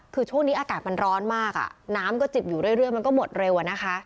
คือช่วงนี้อากาศมันร้อนมากน้ำก็จิบอยู่เรื่อยมันก็หมดเร็วอะนะคะ